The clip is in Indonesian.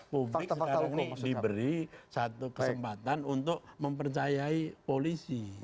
publik sekarang ini diberi satu kesempatan untuk mempercayai polisi